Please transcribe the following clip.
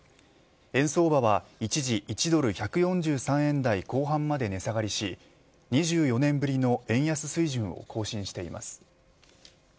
円相場は一時１ドル１４３円台後半まで値下がりし２４年ぶりの円安水準を更新しています。